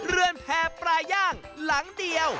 เรือนแพร่ปลาย่างหลังเดียว